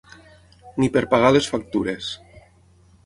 Ni per pagar les factures.